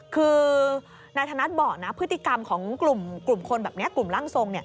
คือนายธนัดบอกนะพฤติกรรมของกลุ่มคนแบบนี้กลุ่มร่างทรง